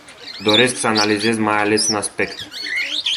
Doresc să analizez mai ales un aspect.